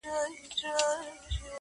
• د لومړي ځل لپاره خپل شعر ولووست -